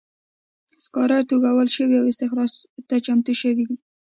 سکاره توږل شوي او استخراج ته چمتو شوي دي.